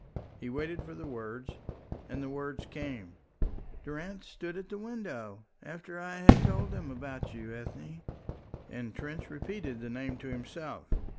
He waited for the words, and the words came. "Durrance stood at the window, after I had told them about you, Ethne," and Trench repeated the name to himself.